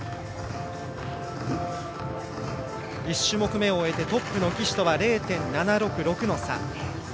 １種目めを終えてトップの岸とは０．７６６の差。